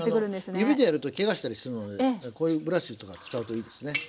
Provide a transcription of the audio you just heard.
指でやるとけがしたりするのでこういうブラシとか使うといいですね。